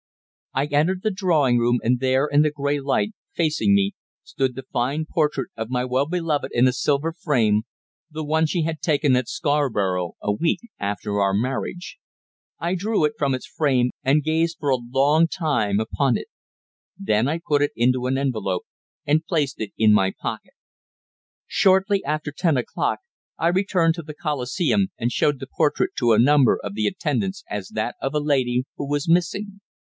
I entered the drawing room, and there, in the grey light, facing me, stood the fine portrait of my well beloved in a silver frame, the one she had had taken at Scarborough a week after our marriage. I drew it from its frame and gazed for a long time upon it. Then I put it into an envelope, and placed it in my pocket. Soon after ten o'clock I returned to the Coliseum, and showed the portrait to a number of the attendants as that of a lady who was missing.